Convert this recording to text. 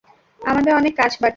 আমাদের অনেক কাজ বাকি।